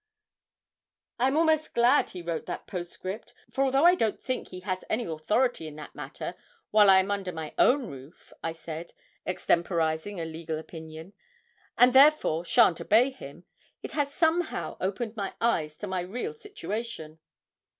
'I am almost glad he wrote that postscript; for although I don't think he has any authority in that matter while I am under my own roof,' I said, extemporising a legal opinion, 'and, therefore, shan't obey him, it has somehow opened my eyes to my real situation.'